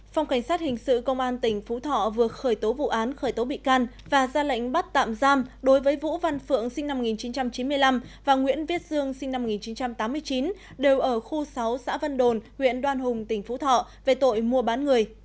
phòng cảnh sát hình sự công an tỉnh phú thọ vừa khởi tố vụ án khởi tố bị can và ra lệnh bắt tạm giam đối với vũ văn phượng sinh năm một nghìn chín trăm chín mươi năm và nguyễn viết dương sinh năm một nghìn chín trăm tám mươi chín đều ở khu sáu xã vân đồn huyện đoan hùng tỉnh phú thọ về tội mua bán người